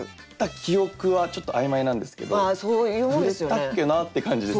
記憶はちょっと曖昧なんですけど「触れたっけな？」って感じです。